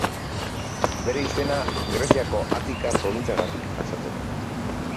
Bere izena Greziako Atika probintziagatik jasotzen du.